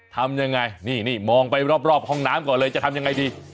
ทำยังไงนี่มองไปรอบห้องน้ำก่อนเลยจะทำยังไงดี